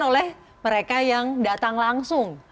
oleh mereka yang datang langsung